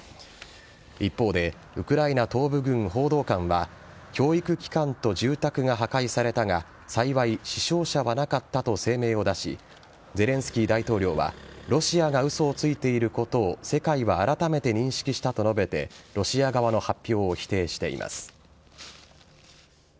一方で、ウクライナ東部軍報道官は、教育機関と住宅が破壊されたが、幸い、死傷者はなかったと声明を出し、ゼレンスキー大統領は、ロシアがうそをついていることを世界は改めて認識したと述べて、ロシア側の発表を否定しています。